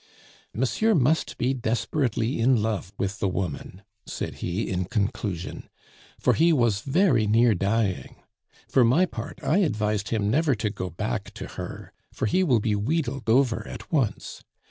"Monsieur must be desperately in love with the woman," said he in conclusion, "for he was very near dying. For my part, I advised him never to go back to her, for he will be wheedled over at once.